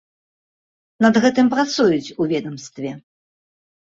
Над гэтым працуюць у ведамстве.